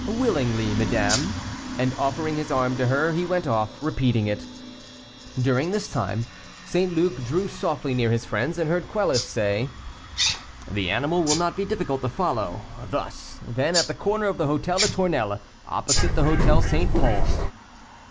"Willingly, madame," and, offering his arm to her, he went off, repeating it. During this time, St. Luc drew softly near his friends, and heard Quelus say: "The animal will not be difficult to follow; thus then, at the corner of the Hôtel des Tournelles, opposite the Hôtel St. Pol."